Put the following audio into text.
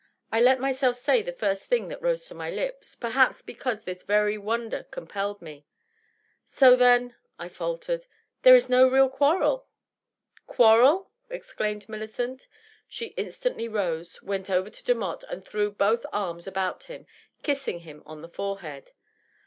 I let myself say the first thing that rose to my lips — ^perhaps because this very won der compelled me. " So, then," I faltered, " there is no real quarrel ?"" Quarrel 1" exclaimed Millicent. She instantly rose, went over to Demotte, and threw both arms about him, kissing him on the forehead.